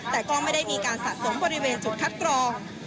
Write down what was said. แต่ก็ไม่ได้มีการสะสมบริเวณจุดคัดกรอง